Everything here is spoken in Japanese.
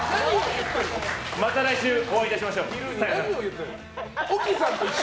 また来週、お会いいたしましょう。何を言ってる？